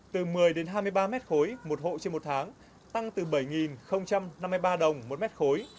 từ một mươi đến hai mươi ba mét khối một hộ trên một tháng tăng từ bảy năm mươi ba đồng một mét khối